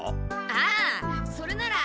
ああそれなら。